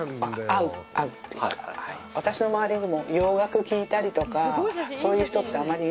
私の周りにも洋楽聴いたりとかそういう人ってあまりいなかったので。